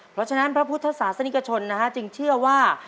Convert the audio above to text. เพราะฉะนั้นพระพุทธศาสนิกชนจึงเชื่อว่า